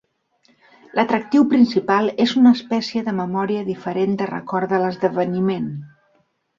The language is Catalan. L'atractiu principal és una espècie de memòria diferent de record de l'esdeveniment.